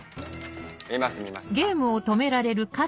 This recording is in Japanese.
見ます見ますあっ。